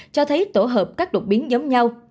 cho thấy tổ hợp các đột biến giống nhau